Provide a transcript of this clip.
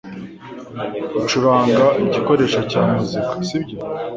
Ucuranga igikoresho cya muzika, sibyo?